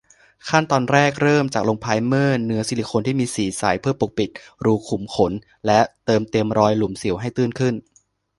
ขั้นตอนแรกเริ่มจากลงไพรเมอร์เนื้อซิลิโคนที่มีสีใสเพื่อปกปิดรูขุมขน และเติมเต็มรอยหลุมสิวให้ตื้นขึ้น